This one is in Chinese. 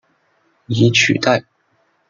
以取代。